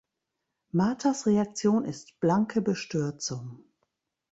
Marthas Reaktion ist blanke Bestürzung.